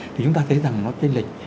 thì chúng ta thấy rằng nó tinh lệch